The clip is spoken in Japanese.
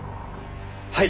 はい！